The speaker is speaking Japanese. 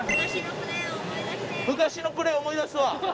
昔のプレー思い出すわ。